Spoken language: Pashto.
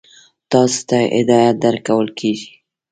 تاسو ته هدایت درکول کېږي.